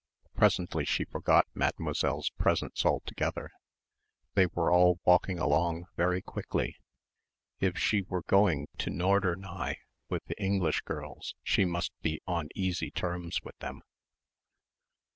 Presently she forgot Mademoiselle's presence altogether. They were all walking along very quickly.... If she were going to Norderney with the English girls she must be on easy terms with them.